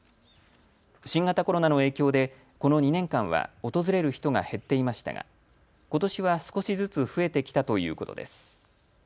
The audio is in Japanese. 新型コロナの影響で、この２年間は訪れる人が減っていましたが、ことしは少しずつ増えてきたということです。